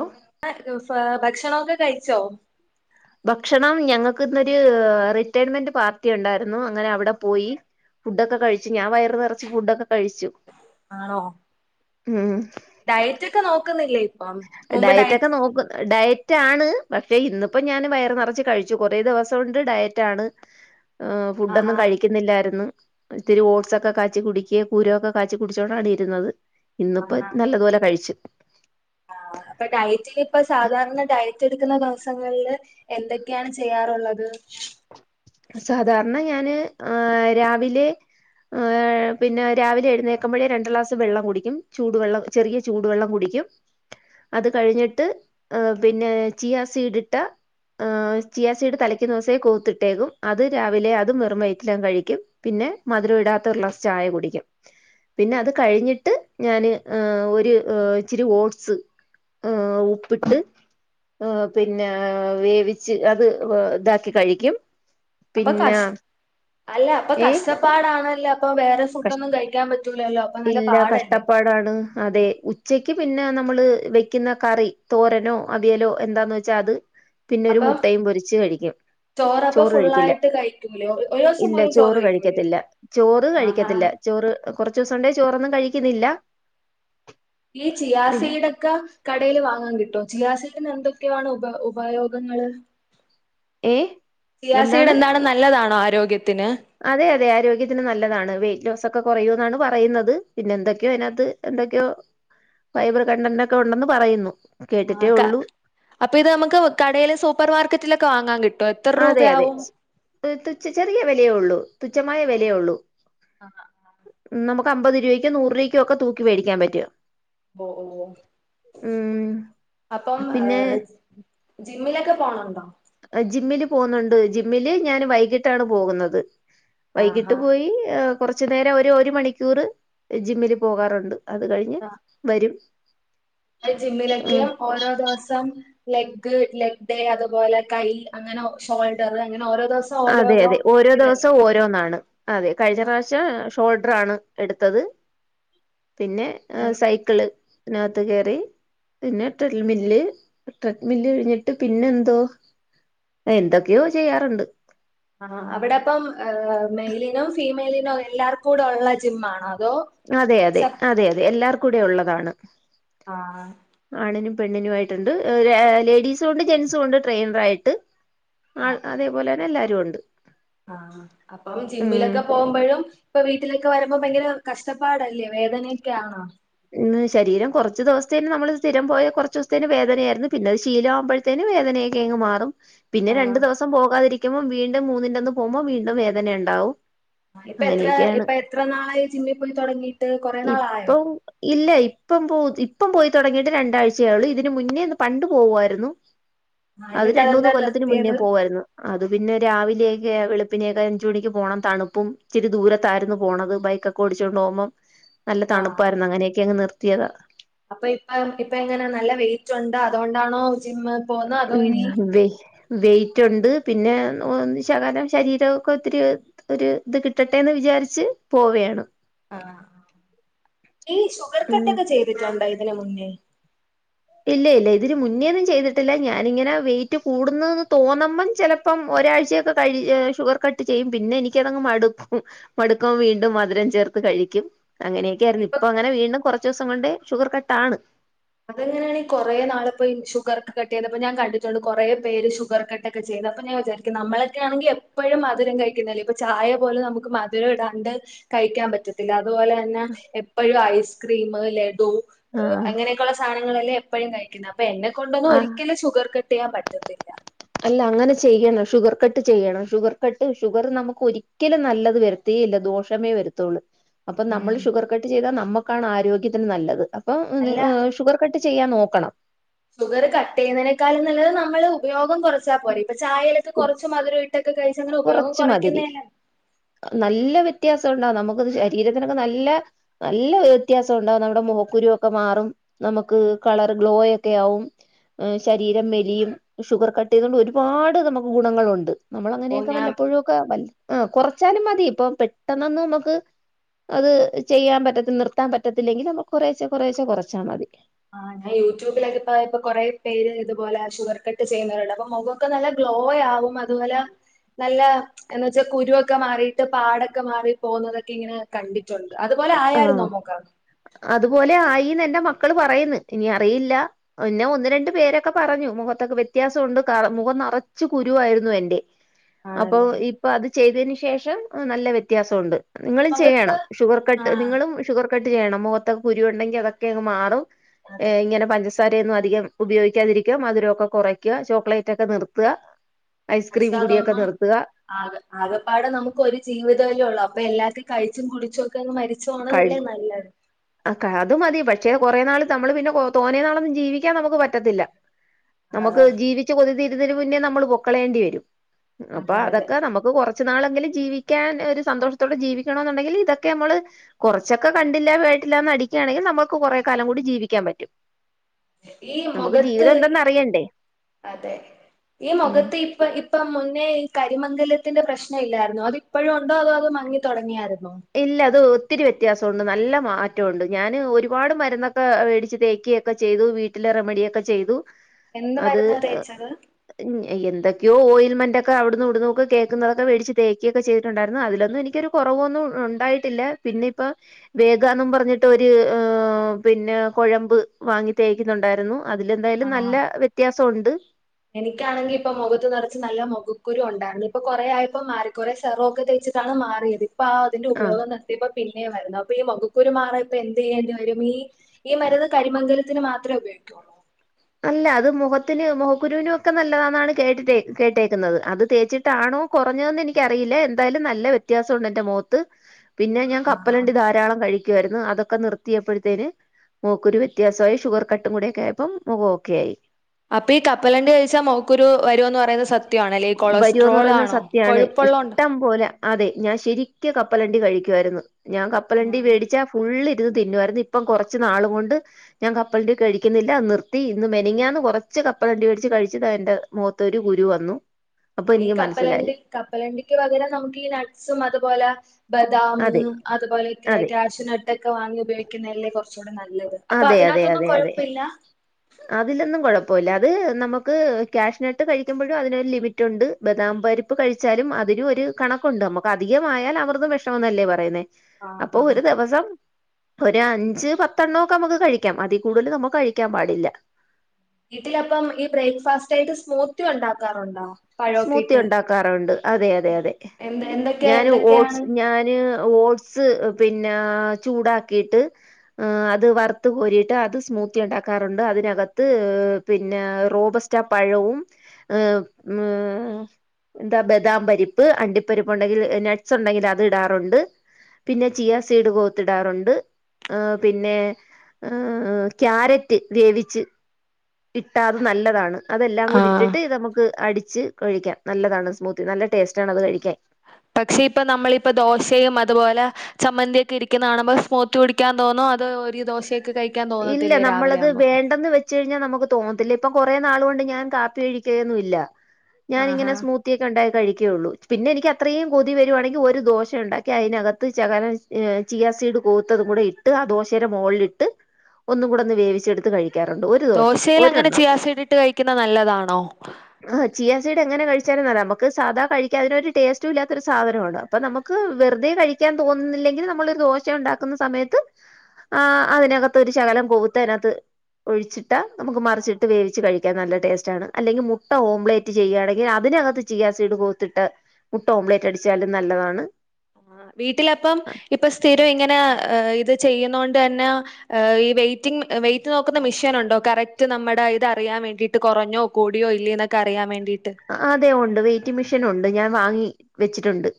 Hello ഭക്ഷണൊക്കെ കഴിച്ചോ. ഭക്ഷണം ഞങ്ങൾക്ക് ഇന്നൊരു റിട്ടയർമെന്റ് പാർട്ടി ഉണ്ടായിരുന്നു അങ്ങനെ അവിടെ പോയി. ഫുഡൊക്കെ കഴിച്ചു ഞാ വയറു നിറച്ച ഫുഡൊക്കെ കഴിച്ചു. ആണോ. ഉം. ഡയറ്റ ഒക്കെ നോക്കുന്നില്ലേ ഇപ്പം. മുമ്പ് ഡയറ്റ ഒക്കെ ഡയറ്റ് നോക്കും ഡയറ്റ്. റ്റണ് പക്ഷെ ഇന്നിപ്പോം ഞാൻ വയർ നിറച്ച്കഴിച്ചു കുറേ ദിവസം കൊണ്ട് ഡയറ്റ് ആണ്. ഹെ ഫുഡൊന്നും ആഹാ കഴിക്ക ക്കുന്നില്ലായിരുന്നു ഇത്തിരി ഓട്സ്ക്കെ കാച്ചി കുടിക്കിയ കൂരൊക്കെ കാച്ച കുടിച്ചോടാണ് ഇരുന്നത്. ഇന്നിപ്പോ നല്ലതുപോലെ കഴിച്ചു. ആ അപ്പൊ ഡയറ്റിൽ ഇപ്പ സാധാരണ ഡയറ്റ്. ക്കുന്ന ദിവസങ്ങളില് എന്തൊക്കെയാണ് ചെയ്യാറുള്ളത്. സാധാരണ ഞാന് ആ രാവിലെ. അ ഹെ പിന്നെ രാവിലെ എഴുന്നേക്കുമ്പോഴേ രണ്ട് ഗ്ലാസ് വെള്ളം കുടിക്കും ചൂടുവെള്ളം. ചെറിയ ചൂടുവെള്ളം കുടിക്കും. അത് കഴിഞ്ഞിട്ട് പിന്നെ ചിയാസീട് ഇട്ട. ആഹ് ചിയാ സീട് തലയ്ക്കുദിവസേ കൂത്തിട്ടേക്കും അത് രാവിലെ അത് വെറും വയറ്റിൽ കഴിക്കും പിന്നെ മധുരം ഇടാത്ത ഒരു ഗ്ലാസ് ചായ കുടിക്കും. പിന്നെ അത് കഴിഞ്ഞിട്ട് ഞാന് ഒരു ഇച്ചിരി ഓട്സ്. ആഹ് ഉപ്പിട്ട്. ഹെ പിന്നെ വേവിച്ച് അത് വെ ഇതാക്കി കഴിക്കും. അപ്പൊ പിന്നെ കഷ് അല്ല അപ്പൊ ഏ കഷ്ടപ്പാടാണല്ലേ അപ്പൊ വേറെ. ഫുഡ് കഷ് ഒുന്നും കഴിക്കാൻ പറ്റൂലല്ലോ അപ്പ നല്ല പാടല്ലേ. പടാണ്. അതെ ഉച്ചക്ക് പിന്നെ നമ്മള് വെക്കുന്ന കറി തോരനോ അവിയലോ എന്താന്ന് വെച്ചാൽ അത്. പിന്നെ ഒരു അപ്പം മുട്ടയും പൊരിച്ച് കഴിക്കും. ചോറപ്പൊ ചോറ് കഴിക്കില്ല ഫുള്ളായിട്ട് കഴിക്കൂലേ ഒരു ദിവസം ഇല്ല പോലും ചോറ് കഴിക്കൂലേ? കഴിക്കത്തില്ല ചോറ് ആഹാ കഴിക്കത്തില്ല. ചോറ് കുറച്ച ദിവസം കൊണ്ടെ ചോറൊന്നും കഴിക്കുന്നില്ല. ഈ പിന്നെ ചിയസിടെ ക്ക കടയിൽ വാങ്ങാൻ കിട്ടോ ചിയാസീടി ന് എന്തൊക്കെയാണ് ഉപ ഉപയോഗങ്ങള്. ഏ സിയാസിഡ് എന്താണ് നല്ലതാണോ ആരോഗ്യത്തിന്. അതെ അതെ ആരോഗ്യത്തിന് നല്ലതാണ് വെയിറ്റ് ലോസ് ഒക്കെ കുറയൂ എന്നാണ് പറയുന്നത് പിന്നെ എന്തൊക്കെയോ അതിനകത്ത്. എന്തൊക്കെയോ ഫൈബർ കണ്ടന്റ് ഒക്കെ ഉണ്ടെന്ന് പറയുന്നു. കേട്ടിട്ടേ ഉള്ളൂ അപ്പൊ ഇത് നമുക്ക് കടയിലെ സൂപ്പർ മാർക്കറ്റിലൊക്കെ വാങ്ങാൻ കിട്ടെ അതെ അതെ തുച്ഛ ചെറിയ വിലയേള്ളൂ തുച്ഛമായ ആഹ് വിലയള്ളൂ. ആഹ് നമുക്ക് അമ്പത് രൂപയ്ക്ക് നൂറ് രൂപക്കോക്കെ തൂക്കി മേടിക്കാൻ പറ്റും ഓ ഓ ഉം അപ്പം പിന്നെ ഏ ജിമ്മിലൊക്കെ പോണണ്ടോ. ജിമ്മില് പോകുന്നുണ്ട്. ജിമ്മില് ഞാൻ വൈകിട്ടാണ് പോകുന്നത് വൈകിട്ട് ആഹാ പോയി ഹെ കുറച്ചു നേരം ഒരു ഒരു മണിക്കൂറ് ജിമ്മില് പോകാറുണ്ട്. അത് കഴിഞ്ഞ് വരും. അഹ് ജിമ്മിലൊക്കെ ഉം. ഓരോ ദിവസം. ലെഗ്ഗ് ലെഗ്ഡെ അതുപോലെ കൈ അങ്ങനെ ഒ ഷോൾഡർ അങ്ങനെ ഓരോ ദിവസം അതെ ഓരോഓരോ അതെ ഓരോ ഇതാ ദിവസം ഓരോന്നാണ്. അതെ കഴിഞ്ഞ പ്രാവശ്യം ഷോൾഡർ ആണ് എടുത്തത്. പിന്നെ സൈക്കിള് നകത്ത് കേറി. പിന്നെ ട്രൽമില്ല് ട്രഡ്മില്ല് കഴിഞ്ഞിട്ട് പിന്നെന്തോ. എന്തൊക്കെയോ ചെയ്യാറ്ണ്ട്. ആഹ് അവിടെപ്പം മെയിലിനും ഫീമെയിലിനോ എല്ലാർക്കു കൂടെ ഉള്ള ജിം ആണോ. അതെ അതെ അതെ അതെ എല്ലാർക്കൂടി ഉള്ളതാണ്. ആഹ്. ആണിനും പെണ്ണിനും ആയിട്ടുണ്ട്. ലേഡീസുണ്ട് ജെൻസുംണ്ട്. ട്രെയിനറ് ആയിട്ട്. ആഹ് അതേപോലെന്നെ എല്ലാരും ഒണ്ട്. ആഹ് അപ്പം ജിമ്മിലൊക്കെ പോമ്പഴും. ഇപ്പൊ വീട്ടിലൊക്കെ വരുമ്പോ ഭയങ്കര കഷ്ടപ്പാടല്ലേ വേദനയൊക്കെ ആണാ. ഇന്ന് ശരീരം കൊർച്ച് ദിവസ്ത്തേന് നമ്മള് സ്ഥിരം പോയ കൊർച്ചൂസ്ത്തേന് വേദനയായിരുന്നു. പിന്നെത് ശീലം ആമ്പ ത്തേന് വേദനെക്കെയങ്ങ് മാറും. പിന്നെ രണ്ടു ആഹ് ദിവസം പോകാതിരിക്കുമ്പം വീണ്ടും മൂന്നിന്റെ അന്ന് പോമ്പം വീണ്ടും വേദനയുണ്ടാവും. ആ ഇപ്പ എത്ര ഇപ്പ എത്ര നാളായി ജിമ്മി പോയി തൊടങ്ങീട്ട് കൊറെ നാളായോ? ഇപ്പം ഇല്ല ഇപ്പം പോ ഇപ്പം പോയി തൊടങ്ങിയിട്ട് രണ്ടാഴ്ച ആയുള്ളൂ. ഇതിന് മുന്നേ പണ്ട് പോവുവായിരുന്നു. ആഹ് അത് എന്നിട്ട് രണ്ട് മൂന്ന് അതെന്താ കൊല്ലത്തിന് മുന്നേ നിർത്തിയത് പോവായിരുന്നു. അത് പിന്നെ രാവിലെയൊക്കെ വെളുപ്പിനൊക്കെ അഞ്ച് മണിക്ക് പോണം. തണുപ്പും ഇച്ചിരി ദൂരത്തായിരുന്നു പോണത്. ബൈക്ക ക്കോടിച്ചോണ്ട് പോമ്പം നല്ല ആഹ് തണുപ്പായ്രുന്നു. അങ്ങനെയൊക്കെയങ്ങ് നിർത്തിയതാ. അപ്പൊ ഇപ്പൊ ഇപ്പ എങ്ങനെ നല്ല വെയിറ്റ് ഉണ്ടാ അതുകൊണ്ടാണോ ജിമ്മ് പോവുന്നത് അതോ ഇനി വെ വെയിറ്റ് ഒണ്ട് പിന്നെ ഒന്ന് ശകലം ശരീരമൊക്കെ ഒത്തിരി ഒരു ഇത് കിട്ടട്ടെന്ന് വിചാര്ച്ച് പോവേണ്. ആഹ് ഈ ഷുഗർ ഉം കട്ടൊക്കെ ചെയ്തിട്ടുണ്ടോ ഇതിന് മുന്നേ. ഇല്ല ഇല്ല ഇതിന് മുന്നേന്നും ചെയ്തിട്ടില്ല. ഞാനിങ്ങനെ വെയിറ്റ് കൂടുന്നെന്ന് തോന്നുമ്പം ചെല പ്പം ഒരാഴ്ചയൊക്കെ കഴി ഷുഗർ കട്ട് ചെയ്യും. പിന്നെ എനിക്കതെങ്ങ് മടുക്കും. മടുക്കുമ്പ വീണ്ടും മധുരം ചേർത്ത് കഴിക്കും. അങ്ങനെയൊക്കെ ആയിരുന്നു. ഇപ്പൊ അങ്ങനെ വീണ്ടും കൊർച്ചൂസം കൊണ്ട് ഷുഗർ കട്ട് ആണ്. അതെങ്ങനെയാണ് ഈ കൊറെ നാള് ഇപ്പ ഷുഗർ കട്ട് ചെയ്തപ്പോ ഞാൻ കണ്ടിട്ടുണ്ട് കൊറേ പേര് ഷുഗർ കട്ടൊക്കെ ചെയ്ത് അപ്പ ഞാൻ വിചാരി നമ്മളൊക്കെ ആണെങ്കി എപ്പഴും മധുരം കഴിക്കുന്നല്ലേ. ഇപ്പൊ ചായ പോലും നമുക്ക് മധുരം ഇടാണ്ട് കഴിക്കാൻ പറ്റത്തില്ല. അതുപോലന്ന എപ്പോഴും ഐസ്ക്രീം, ലഡു ആഹ് അങ്ങനെ. ഉള്ള സാനങ്ങളെല്ലേ എപ്പഴും കഴിക്കുന്ന. അപ്പൊ എന്നെ കൊണ്ടൊന്നും ആ ഒരിക്കലും ഷുഗർ കട്ട് ചെയ്യാൻ പറ്റത്തില്ല. അല്ല അങ്ങനെ ചെയ്യണം. ഷുഗർ കട്ട് ചെയ്യണം. ഷുഗർ കട്ട് ഷുഗർ നമുക്ക് ഒരിക്കലും നല്ലത് വര ത്തേയില്ല ദോഷമേ വരുത്തുള്ളൂ. അപ്പം ഉം നമ്മള് ഷുഗർ കട്ട് ചെയ്താ നമ്മക്കാണ് ആരോഗ്യത്തിന് നല്ലത്. അപ്പം അല്ല ഷുഗർ കട്ട് ചെയ്യാൻ നോക്കണം. ഷുഗർ കട്ടെയ്യുന്നേനേക്കാളും നല്ലത് നമ്മള് ഉപയോഗം കൊറച്ചാ പോരേ. ഇപ്പൊ ചായയിലൊക്കെ കൊറച്ച് മധുര ഇട്ട് കുറച്ച് മതിരി നല്ല വ്യത്യാസം ഉണ്ടാവും. നമുക്ക് ശരീരത്തിനൊക്കെ നല്ല നല്ല വ്യത്യാസം ഉണ്ടാവും. നമ്മുടെ മുഖക്കുരുവൊക്കെ മാറും നമുക്ക് കളറ് ഗ്ലോയൊക്കെ ആകും ശരീരം മെലിയും. ഷുഗർ കട്ടെയ്തോണ്ട് ഒരുപാട് നമുക്ക് ഗുണങ്ങളുണ്ട് നമ്മളങ്ങനെ അപ്പൊ ഞാൻ ഴൊക്കെ കൊ കൊറച്ചാലും മതി. ഇപ്പ പെട്ടെന്നൊന്ന് നമുക്ക് അത് ചെയ്യാൻ പറ്റത്തി നിർത്താൻ പറ്റത്തില്ലെങ്കിൽ നമ്മു കൊറേശ്ശെ കൊറേശ്ശെ കൊറച്ചാ മതി. ആഹ് ഞാൻ യൂട്യൂബിലൊക്കെ ഇപ്പോ ഇപ്പോ കൊറെ പേര് ഇതുപോലെ ഷുഗർ കട്ട് ചെയ്യുന്നവരുണ്ട് അപ്പൊ മുഖം. മുഖം നല്ല ഗ്ലോ ആവും, അതുപോലെ. നല്ല എന്നുവെച്ചാൽ കുരുയൊക്കെ മാറിട്ട് പാടയൊക്കെ മാറി പോകുന്നതൊക്കെ ഇങ്ങനെ. കണ്ടിട്ടുണ്ട് ആഹ് അതുപോലെയായിരുന്നോ മുഖം. അതുപോലെ ആയിന്ന് എന്റെ മക്കള് പറയുന്നു ഇനി അറിയില്ല. പിന്നെ ഒന്ന് രണ്ട് പേരൊക്കെ പറഞ്ഞു മുഖത്തൊക്കെ വ്യത്യാസയുണ്ട്, ക മുഖം നെറച്ചു കുരുയായിരുന്നു എന്റെ. അപ്പൊ ആണല്ലേ ഇപ്പൊ അത് ചെയ്യതിന് ശേഷം നല്ല വ്യത്യാസമുണ്ട്, നിങ്ങളും മുഖത്ത് ചെയ്യണം ഷുഗർ. കട്ട് ആഹ് നിങ്ങളും ഷുഗർ കട്ട് ചെയ്യണം, മുഖത്തൊക്കെ കുരു ഉണ്ടെങ്കിൽ അതൊക്കെ മാറും അതെ ഇങ്ങനെ പര പഞ്ചസാരയെന്നും അധികം ഉപയോഗിക്കാതിരിക്കുക മധുരയൊക്കെ കുറയ്ക്കുക, ചോക്ലേറ്റ് ഒക്കെ നിർത്തുക. ഐസ്ക്രീം കുടിയൊക്കെ [unintelligible] നിർത്തുക ആഹ് ആകപ്പാടെ നമുക്ക് ഒരു ജീവിതമല്ലേ ഉള്ളൂ, അപ്പൊ എല്ലാത്തും കഴിച്ചും കുടിച്ചും ഒക്കെ അങ്ങ് മരി ചോണല്ലെ നല്ലത് ആഹ് അത് മതി പക്ഷേ കുറെ നാൾ നമ്മള് പിന്നെ തോന്നേ നാളൊന്നും ജീവിക്കാൻ നമുക്ക് പറ്റത്തില്ല. നമുക്ക് ആഹ് ജീവിച്ചു കൊതി തീരുന്നതിന് മുന്നേ നമ്മള് പോക്കളേണ്ടി വരും, അപ്പൊ അതെ അതെ അതൊക്കെ നമുക്ക് കുറ ച്ച് നാൾ എങ്കിലും ജീവിക്കാൻ ഒരു സന്തോഷത്തോടെ ജീവിക്കണം എന്ന് ഉണ്ടെങ്കിൽ ഇതൊക്കെ നമ്മള്. കുറച്ചൊക്കെ കണ്ടില്ല കേട്ടില്ല നടിക്കുകയാണെങ്കിൽ നമ്മുക്ക് കുറെ കാലം കൂടി ജീവിക്കാൻ പറ്റും. ഈ നമുക്ക് മുഖത്ത് ജീവിതം എന്തെന്ന് അറിയണ്ടേ അതെ ഈ ഉം മുഖത്ത്. ഇപ്പ ഇപ്പം മുന്നേ ഈ കരിമംഗലത്തിന്റെ പ്രശ്നം ഇല്ലായിരുന്നു അത് ഇപ്പോഴും ഉണ്ടോ, അതോ അത് മങ്ങി തുടങ്ങിയായിരുന്നോ? ഇല്ല അത് ഒത്തിരി വ്യത്യാസമുണ്ട് നല്ല മാറ്റമുണ്ട് ഞാന് ഒരുപാട് മരുന്നൊക്കെ മേടിച്ച് തേക്കു ഒക്കെ ചെയ്തു വീട്ടിലെ റെമഡിയൊക്കെ ചെയ്തു എന്ത് അത് മരുന്നാ ആഹ്. തേച്ചത് ഉം എന്തൊക്കെയോ ഓയിൽമെന്റ് ഒക്കെ അവിടുന്ന് ഇവിടുന്ന് ഒക്കെ കേക്കുന്നൊക്കെ മേടിച്ച് തേക്കൊക്കെ ചെയ്തിട്ടുണ്ടായിരുന്നു, അതിൽ ഒന്നും എനിക്കൊരു. കുറവൊന്നും ഉണ്ടായിട്ടില്ല പിന്നെ ഇപ്പ. വേഗ എന്നു പറഞ്ഞിട്ട് ഒരു ഏഹ് പിന്നെ കുഴമ്പ് വാങ്ങി തേക്കുന്നുണ്ടായിരുന്നു. അതിലെന്തായാലും നല്ല വ്യത്യാസം ഉണ്ട്. എനിക്കാണെങ്കിൽ ഇപ്പൊ മുഖത്ത് നിറച്ച് നല്ല മുഖക്കുരു ഉണ്ടായിരുന്നു, ഇപ്പൊ കൊറെ ആയിപ്പോ മാറി കുറെ സെറും ഒക്കെ തേച്ചു. ഇപ്പോഴാണ് മാറിയത് ഇപ്പ ആഹ് അതിന്റെ ആ ഉപയോഗം തന്നെ. ഇപ്പൊ പിന്നെയും വരുന്നു അപ്പൊ ഈ മുഖക്കുരു മാറാൻ ഇപ്പൊ എന്ത് ചെയ്യേണ്ടി വരും ഈ. ഈ മരുന്ന് കരിമംഗലത്തിന് മാത്രമേ ഉപയോഗിക്കുള്ളൂ. അല്ല അത് മുഖത്തിന് മുഖക്കുരുവിനും ഒക്കെ നല്ലതാണ് എന്ന് കേട്ടിട്ട് കേട്ടേക്കുന്നത്, അത് തേച്ചിട്ടാണോ? കുറഞ്ഞൊന്ന് എനിക്കറിയില്ല എന്തായാലും നല്ല വ്യത്യാസമുണ്ട് എന്റെ മുഖത്ത്. പിന്നെ ഞാൻ ആഹാ കപ്പലണ്ടി ധാരാളം കഴിക്കും. ക്കുവായിരുന്നു അതൊക്കെ നിർത്തിയപ്പോഴത്തേന് മുഖക്കുരു വ്യത്യാസമായി ഷുഗർ കട്ടും കൂടെ ഒക്കെ ആയിപ്പോ. മുഖ ഓക്കേ ആയി. അപ്പൊ ഈ കപ്പലണ്ടി കഴിച്ചാൽ മുഖക്കുരു വരുമെന്ന് പറയുന്നത് സ സത്യമാണല്ലേ വരുമെന്ന് കൊളസ്ട്രോൾ പറയുന്നത് ആണോ, സത്യമാണ് കൊഴുപ്പുള്ള ഉണ്ട്. ഇഷ്ടം പോലെ അതെ ഞാൻ ശരിക്കും കപ്പലണ്ടി കഴിക്കുയിരുന്നു ഞാൻ കപ്പലണ്ടി ആഹ് മേടിച്ചാൽ. ഫുള്ള് ഇരുന്ന് തിന്നുമായിരുന്നു ഇപ്പം കുറച്ച് നാള് കൊണ്ട്. ഞാൻ കപ്പലണ്ടി കഴിക്കുന്നില്ല നിർത്തി ഇന്ന് മിനിഞ്ഞാന്ന് കുറച്ച് കപ്പലണ്ടി മേടിച്ചു കഴിച്ചത് എന്റെ മുഖത്ത്. ഒരു കുരുവന്നു. ആഹ് ഈ കപ്പലണ്ടി കപ്പലണ്ടിക്ക് പകരം നമുക്ക് ഈ നട്ട്സും അതുപോലെ. ബദാം അതെ അതുപോലെയൊക്കെ അതെ കാഷുനട്ട് ഒക്കെ വാങ്ങി ഉപയോഗിക്കുന്നതല്ലേ കുറ ച്ചൂടെ നല്ലത് അപ്പൊ അതെ അതെ അതിനകത്തൊന്നും അതെ അതെ കുഴപ്പില്ല. അതിലൊന്നും കൊഴപ്പോല്ല അത് നമുക്ക് ക്യാശ്നട്ട് കഴിക്കുമ്പോഴും അതിനൊരു ലിമി റ്റുണ്ട് ബദാം പരിപ്പ് കഴിച്ചാലും അതിനും ഒര് കണക്കുണ്ട് നമുക്ക് അധികമായാൽ അമൃതും വിഷോന്നല്ലേ പറയുന്നേ. ആഹ് അപ്പൊ ആഹ് ഒരു ദിവസം ഒരു അഞ്ച് പ ത്തണ്ണക്കെ നമുക്ക് കഴിക്കാം അതീ കൂടുതൽ നമുക്ക് കഴിക്കാൻ പാടില്ല. വീട്ടിലപ്പം ഈ ബ്രേക്ക്ഫാസ്റ്റായിട്ട് സ്മൂത്തി ഉണ്ടാക്കാറുണ്ടോ? പഴമൊക്കെ സ്മൂത്തി ഇട്ട് ഉണ്ടാക്കാറുണ്ട് അതെ അതെ അതെ എന്ത് എന്തൊക്കെ ഞാന് ഓട്സ് എന്തൊക്കെയാണ് ഞാന് ഓട്സ് പിന്നെ ചൂടാക്കിയിട്ട് ഏഹ് അത് വറുത്ത് കോരിട്ട് അത് സ്മൂത്തി ഉണ്ടാക്കാറുണ്ട് അതിനകത്ത് പിന്നെ റോബസ്റ്റാ പഴവും ഏഹ് മ്മ് ഹ് എന്താ ബദാം പരിപ്പ്, അണ്ടിപ്പരിപ്പ് ഉണ്ടെങ്കിൽ നട്ട്സ് ഉണ്ടെങ്കിൽ അത് ഇടാറുണ്ട്. പിന്നെ ചിയാ സീട് കോത്തിടാറുണ്ട് ഹേ പിന്നെ ആഹ് ക്യാരറ്റ് വേവിച്ച് ഇട്ടാത് നല്ലതാണ് അതെല്ലാം കൂടി ആഹ് ഇട്ടിട്ട് നമുക്ക് അടിച്ച് കഴിക്കാം നല്ലതാണ് സ്മൂത്തി നല്ല ടേസ്റ്റാണ് അത് കഴിക്കാൻ. പക്ഷെ ഇപ്പ നമ്മളിപ്പ ദോശയും അതുപോലെ ചമ്മന്തി ഒക്കെ ഇരിക്ക്ന്ന കാണുമ്പം സ്മൂത്തി കുടിക്കാൻ തോന്നോ അതോ ഒരു ദോശ ക്കെ കഴിക്ക തോ ഇല്ല നമ്മളത് വേണ്ടന്ന് വെ ച്ച് കഴിഞ്ഞാൽ നമുക്ക് തോന്നത്തില്ല ഇപ്പ കൊറേ നാൾ കൊണ്ട് ഞാൻ കാപ്പി കഴിക്കന്നുല്ല. ആഹാ ഞാനിങ്ങനെ സ്മൂ ത്തിയക്കെ ഉണ്ടാക്കി കഴിക്കയുള്ളൂ പിന്നെ എനിക്ക് അത്രയും കൊതി വരുവാണെങ്കിൽ ഒരു ദോശയുണ്ടാക്കി അതിനകത്ത് ചകലം ഏഹ് ചിയാ സീഡ് ഗോത്തതും കൂടെ ഇട്ട് ആഹ് ദോശേടെ മോളിലിട്ട് ഒന്ന് കൂടെ ഒന്ന് വേവിച്ചെടുത്ത് കഴി എറണ്ടു ഒര് ദോശയിലങ്ങനെ ചിയാസീഡിട്ട് കഴിക്ക്ന്നേ നല്ലതാണോ? ആഹ് ചിയാസീഡ് എങ്ങനെ കഴിച്ചാലും നല്ല നമുക്ക് സാധാ കഴിക്ക അയിനൊരു ടേസ്റ്റുല്ലാത്ത ഒരു സാധനം ആണ്. അപ്പൊ നമുക്ക് വെറുതെ കഴിക്കാൻ തോന്നുന്നില്ലെങ്കിൽ നമ്മളൊരു ദോശയുണ്ടാക്കുന്ന സമയത്ത് ആഹ് അതിനകത്ത് ഒരു ശകലം കൊവുത്തതിനകത്ത് ഒഴിച്ചിട്ടാ നമുക്ക് മറിച്ചിട്ട് വേവി ച്ച് കഴിക്കാൻ നല്ല ടേസ്റ്റ് ആണ് അല്ലെങ്കിൽ മുട്ട ഓംലേറ്റ് ചെയ്യാണെങ്കിൽ അതിനകത്ത് ചിയാ സീഡ് ഗോത്തിട്ട മുട്ട ഓംലെറ്റ് അടിച്ചാലും നല്ലതാണ് ആഹ് വീട്ടിലപ്പം ഇപ്പൊ സ്ഥിരം ഇങ്ങനെ ഇത് ചെയ്യുന്ന കൊണ്ടന്നെ ഹേ ഇ വെയിറ്റിംഗ് വെയിറ്റ് നോക്കുന്ന മിഷേനുണ്ടോ കറക്റ്റ് നമ്മടെ ഇത് അറിയാൻ വേണ്ടി ട്ട് കുറഞ്ഞോ കൂടിയോ ഇല്ലേന്നൊക്കെ അറിയാൻ വേണ്ടീട്ട് അതെ ഉണ്ട് വെയ്റ്റിംഗ് മെഷീനുണ്ട് ഞാൻ വാങ്ങി വെച്ചിട്ടുണ്ട്.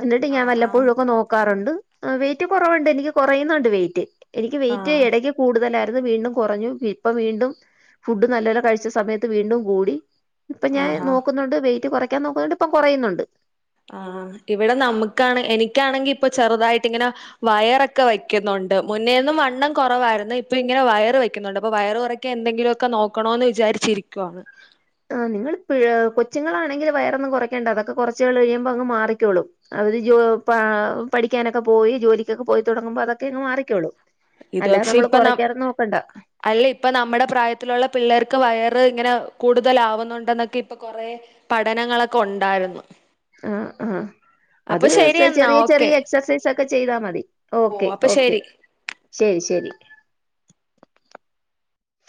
എന്നിട്ട് ഞാൻ ആഹ് ആഹ് വല്ലപ്പോഴുക്കെ നോക്കാറുണ്ട് വെയിറ്റ് കുറവുണ്ട് എനിക്ക് കുറയുന്നുണ്ട് വെയിറ്റ്. എനിക്ക് വെയിറ്റ് ആഹ് എടയ്ക്ക് കൂടുതലായിരുന്നു വീണ്ടും കുറഞ്ഞു ഇപ്പ വീണ്ടും ഫുഡ് നല്ലോല കഴിച്ച സമയത്ത് വീണ്ടും കൂടി. ഇപ്പ ഞാൻ ആഹാ നോക്കുന്നുണ്ട് വെയിറ്റ് കുറയ്ക്കാൻ നോക്കുന്നുണ്ട് ഇപ്പം കുറയുന്നുണ്ട്. ആഹ് ഇവടെ നമ്മക്കാണെ എനിക്കാണെങ്കി ഇപ്പൊ ചെറുതായിട്ടിങ്ങനെ വയറക്കെ വയ്ക്കുന്നുണ്ട് മുന്നേന്നും വണ്ണം കൊറവായിരുന്നു ഇപ്പ ഇങ്ങനെ വയറ് വെക്കുന്നുണ്ട് അപ്പൊ വയറ് കൊറ ക്കെ എന്തെങ്കിലുക്കെ നോക്കണോന്ന് വിചാരിച്ചിരിക്കുവാണ്. ആഹ് നിങ്ങൾ ഇപ്പഴ് കൊച്ചുങ്ങളാണെങ്കിൽ വയറൊന്നും കുറയ്ക്കേണ്ട അതൊക്കെ കൊറച്ച് നാള് കഴിയുമ്പോ അങ്ങ് മാറിക്കോളും. അവര് ജോ പ പഠിക്കാനൊക്കെ പോയി ജോലിക്കൊക്കെ പോയി തുടങ്ങുമ്പോ അതൊക്കെ അങ്ങ് മാറിക്കോളും. ഇത് അല്ലാതെ പക്ഷെ നമ്മള് ഇപ്പൊ ന കൊറക്കാനൊന്നും നോക്കണ്ട. അല്ല ഇപ്പ നമ്മടെ പ്രായത്തിലുള്ള പിള്ളേർക്ക് വയറ് ഇങ്ങനെ കൂടുതലാവുന്നുണ്ടെന്നൊക്കെ ഇപ്പം കൊറേ പഠനങ്ങളൊക്കെ ഉണ്ടായിരുന്നു. ആഹ് ആഹ് അപ്പൊ അത് ശരി എന്നാ ചെറിയ ഓക്കെ ചെറിയ എക്സസൈസ് ഒക്കെ ചെയ്താ മതി ഓ ഓക്കെ അപ്പൊ ഓക്കെ ശരി ശരി ശരി